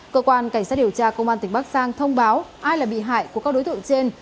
cơ quan cảnh sát điều tra công an tỉnh bắc giang thông báo ai là bị hại của các đối tượng trên